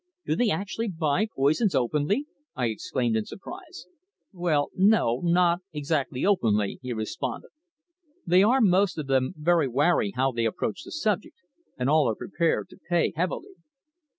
"Do they actually buy poisons openly?" I exclaimed in surprise. "Well, no, not exactly openly," he responded. "They are most of them very wary how they approach the subject, and all are prepared to pay heavily."